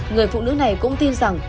người phụ nữ này cũng tin rằng